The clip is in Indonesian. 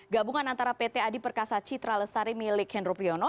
gabungan antara pt adi perkasa citra lestari milik hendro priyono